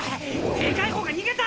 でかい方が逃げた。